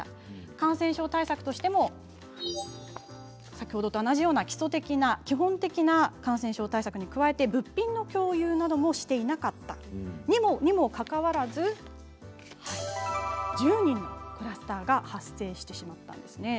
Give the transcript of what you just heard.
感染症対策としても先ほどと同じような基本的な感染症対策に加えて物品の共有などもしていなかったにもかかわらず１０人のクラスターが発生してしまったんですね。